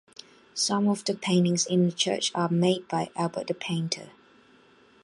Some of the paintings in the church are made by Albert the Painter.